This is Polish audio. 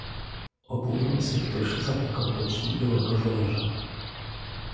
"O północy ktoś zapukał do drzwi byłego żołnierza."